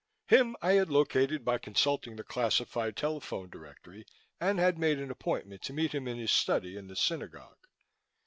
Him I had located by consulting the classified telephone directory and had made an appointment to meet him in his study in the Synagogue.